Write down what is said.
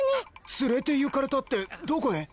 連れて行かれたってどこへ？